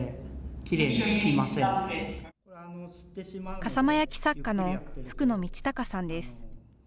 笠間焼作家の福野道隆さんです。